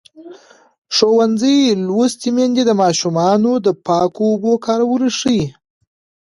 ښوونځې لوستې میندې د ماشومانو د پاکو اوبو کارول ښيي.